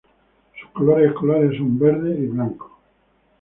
Sus colores escolares son verde y blanco.